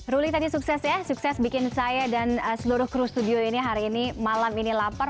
ruli tadi sukses ya sukses bikin saya dan seluruh kru studio ini hari ini malam ini lapar